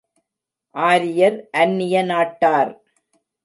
ஆரியர் அந்நிய நாட்டார்.